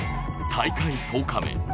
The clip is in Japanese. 大会１０日目。